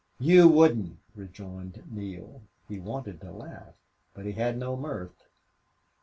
"You wouldn't," rejoined Neale. He wanted to laugh but had no mirth.